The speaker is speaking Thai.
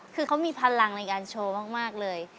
คือเขามีพลังในการโชว์มากเลย